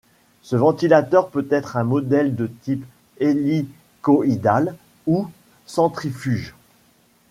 Ce ventilateur peut être un modèle de type hélicoïdal ou centrifuge.